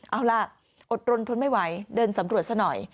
เอาล่ะอดรนทนไม่ไหวเดินสำรวจซะหน่อย